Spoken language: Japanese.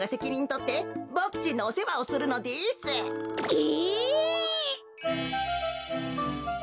え！？